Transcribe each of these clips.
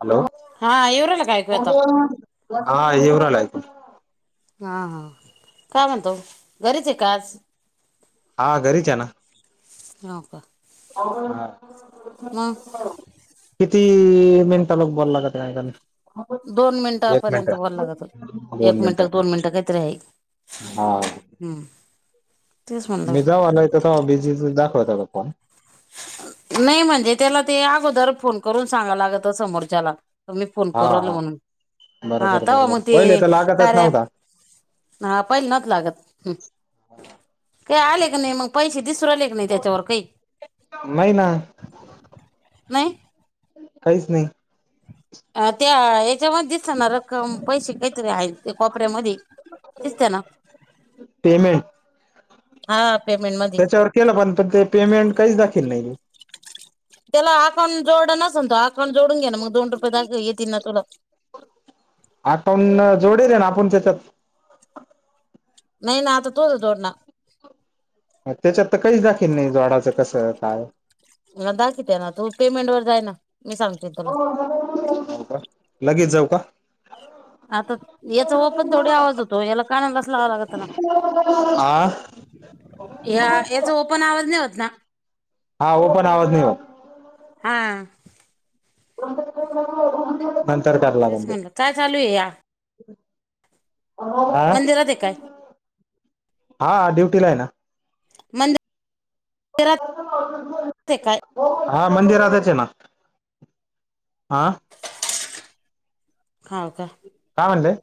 Hello हा येऊ राहिला का ऐकू आता हा येवराला आहेऐक हा हा काय म्हणतो घरीच आहे काज हा घरीच आहे ना ल का हो व किती मिनट लोक बोल लागात काक दोन एक मिनट मिनिटापर्यंत बोलायला लागत दोन एक मिनट मिनिटं दोन मिनिटं काहीतरी आहे हा हम्म तेच म्हणलं मी जाव ना तेव्हा बिझी दाखवत फोन नाही म्हणजे त्याला ते अगोदर फोन करून सांगाव लागत समोरच्याला त मी फोन हा करला हा म्हणून हा बरोबर आता बरोबर मग पहिले ते तर ख्या लागतच नव्हता हा पहिले न लागत ह् काही आले की नाही मग पैसे दिसर आले की नाही त्याच्यावर काही नाही ना नाही काहीच नाही. अ त्या याच्यामध्ये. दिसत ना रक्कम पैसे काहीतरी आहेत ते कोपऱ्यामध्ये दिसते ना. पेमेंट. हा पेमेंट मध्ये. के पणण ते पेमेंट काहीच दाखील नाही. त्याला अकाउंट जोड नस नातो अकाउंट जोडून घे ना मग दोन रुपये दाख येतील ना तुला. आकाऊन जोडेल आहे ना आपण त्याच्यात. नाही नाही आता तोच दोडणार. त्याच्यात तर काहीच दाखिल नाही जोडाचं कसं काय. ना दाखित आहे ना तू पेमेंट वर जाय ना. मी सांगते तुला का लगेच जाऊ का आता याचा व पण थोडी आवाज होतो याला कानाला अस लावां लागत ना हा हा या याचा ओपन आवाज नाही होत ना. हा हो पण आवाज नाही हो. हा. नंतर क लाग तेच ते. म्हणलं काय चालू आहे या अ मंदिरात आहे काय हा ड्युटी ला आहे ना. मंद. आहे काय बोल. हा मंदिरातच आहे ना हा. खाव का का म्हणले.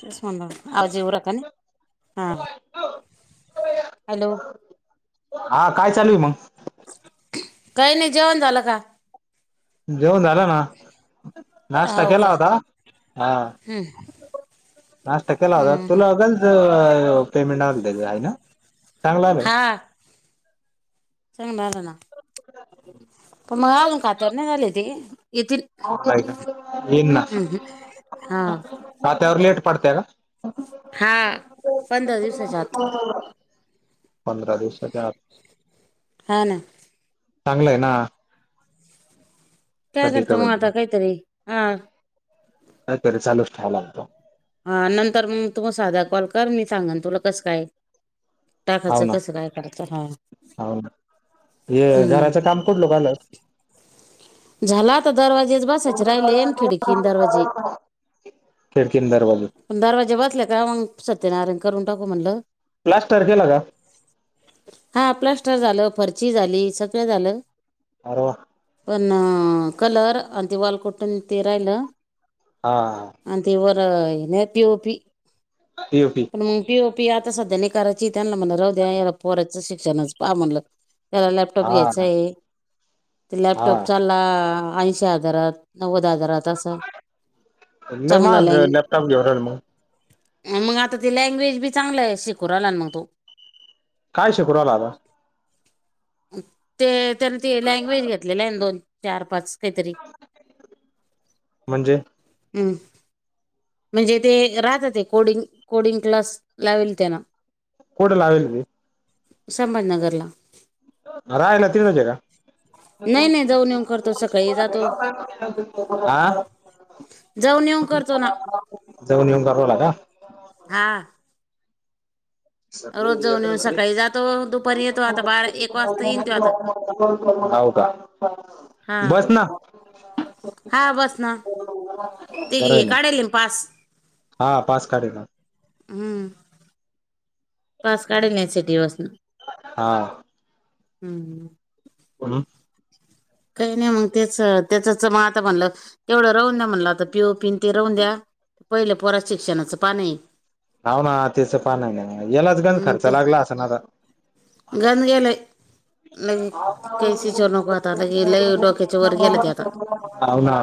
तेस म्ह आ जीवराकानी हां. हॅलो. हा काय चालू मग. काही नाही जेवण झालं का. जेऊन झालं ना नाश्ता हो का केला होता हा. नाशष्टत केलावा हम्म तुलागल. पेमेंट आ त्या आहे ना चांगला आलं. चग म देण प मगावून का. ोन झाले ते येथील. इना हा राातवर ललेट पडते का. हा पंधरा दिवसाच्यात. ह पंधरा दिवसाच्या आ हा ना चांगलंय ना. कधी क त्यागरत माता काहीतरी कातरी हा. का तरी चालूच ठ्यावा लागतो. हा नंतर मग तुमग साधा कॉल कर मी सांगन तुला कसं काय. हाव टाकायचं ना कसं काय करायचं हा. हाव ना हे घराचं हम्म काम पठलो काल झाला आता दरवाजेच बसायचे राहिले येन खिडकीन दरवाजे. खिडकिन दारवाज. पण दार वाजे बचल्या काय मग सत्यनारायण करून टाकू म्हणलं. लास् तारखेलागा. हा प्लस्टर झालं फर्ची झाली सगळं झालं. आ. पण कलर आणि ते वाॉल कुठून ते राहिलं. हा. अंत इवर नेप ओपी. यू पी पण मग पीओ पी आता सध्यानी करायची त्याना म्हणा राहू द्या याला पो्याचं शिक्षणच म्हणलं त्याला लॅपटॉप हा घ्यायचा आहे ते हा लॅपटॉप चालला ऐंशी हजारात नव्वद हजारात असं चांगला मग लँग लॅपटॉप घेवरल मग मग आता ती लँग्वेज बी चांगलं आहे शिकू आला मग तो काय शक्रवाला आता ते त्याने ते लँग्वेज घेतलेला आहे दोन चार पाच काहीतरी म्हणजे हम् म्हणजे ते राहत ते कोडिंग कोडिंग क्लास लावेल त्यांना कड लावेली संभज नगरला राहाहिला तिरनोजे का नाही नाही जाऊन येऊन करतो सकाळी जातो आं जाऊन येऊन करतो ना जाऊन येऊन करवला का हा सग रोज जाऊन येऊन सकाळी जातो दुपारी येतो आता बारा एक वाजता येईन तो आता का हा बस ना हा बस ना ते बरं आहे मग काढल म पास हा पास काढला हम्म पास काढेल सिट बसून हा हम् हम कोण काही नाही मग त्याच त्याचच मग आता म्हणलं एवढं राहून द्या म्हणलं आता पिओ पिन ते राहून द्या पहिले पररत शिक्णाचं पाणीही होव ना तेिस पा नाही येलाच गण खर्च लागला असा ना गध गेला ह नको आता लगे लय डोक्याच्या वर गेलं ते आता हो ना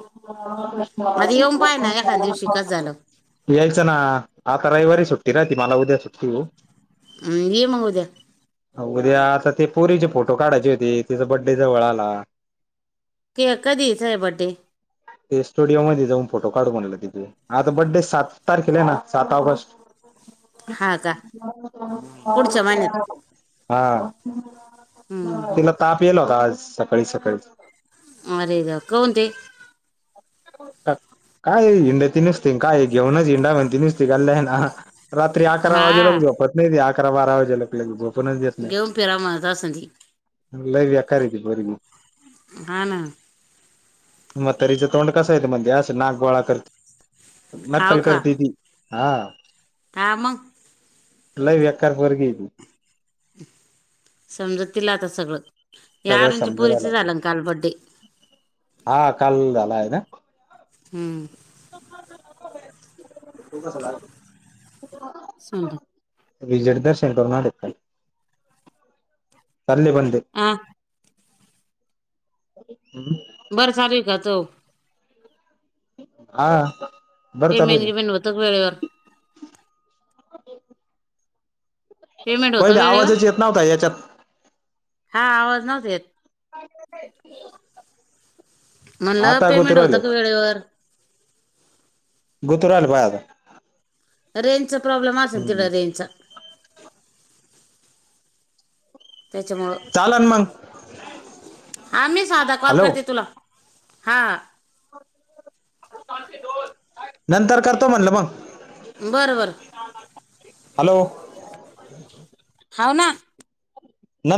प्रश्न आता येऊन पाय ना एखाद्या दिवशी कसं झालं यायचं ना आता रविवारी सुट्टी राह त मला उद्या सुट्टी हो ये मगव द्या उद्या आता ते पोरीचे फोटो काढायचे होती तिचा बड्डे जवळ आला केक कधी बर््डे ते स्टुडिओ मध्ये जाऊन फोटो काढून म्हला तिथे आता बड्डे सात तारखेला आहे ना सात ऑगस्ट हा का पुढच्या महिन्यात हा हम्म हम्म. तिला ताप येला होता आज सकाळी सकाळी मर लका उते का काय हिंड्या त नुसती काय घेऊनच हिंडा म्हणती नुसती घाल्लं आहे ना रात्री अकरा वाजे लक हा झोपत नाही ते अकरा बारा वाजे लक ल झोपूनच देत नाही घेऊन फिरा म्हणत असन ती लैव येका रती बरग हा ना मग तरीच तोंड कस येत म्हणजे असं नागबळा करते नक्कल करती ती हा धामग एकार वरगेतू समज तला आता सगळं या सगळं आरंच्या समजून पोरीच आलं आता झालं ना कालबड्डे हा काल झाला आहे ना हम्म त कस झा समजा विजयड दर्शन कर्नाटकल कल् बंद ह हम्म बरं चालू का च हा बरं ते चालू आहे मेन की मणनू ना होताग वेळेवर पेमेंट होतं पहिले वेळेवर आवाजच येत नव्हता याच्यात हा आवाज नव्हत येत म्हणलं आता गुतू पेमेंट होत राहिलं का वेळेवर गुतरल बा रेंजचा प्रॉब्म आहे ना हम्म तिढं रेंजचा त्याच्यामुळं चालन मग हा मी साधा कॉल हॅलो करते तुला हा नंतर करतो म्हणलं मग बरं बरं हॅलो खाऊ ना